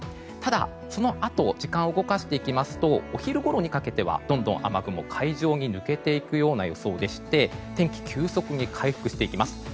ただ、そのあと時間を動かしていきますとお昼ごろにかけてはどんどん雨雲が海上に抜けていく予想でして天気は急速に回復していきます。